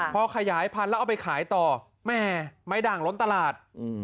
พอขยายพันธุ์แล้วเอาไปขายต่อแม่ไม้ด่างล้นตลาด